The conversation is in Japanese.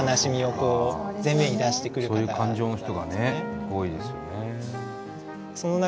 そういう感情の人がね多いですよね。